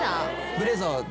ブレザーで。